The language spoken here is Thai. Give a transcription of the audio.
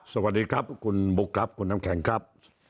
สวัสดีครับคุณบุ๊คครับคุณน้ำแข็งครับ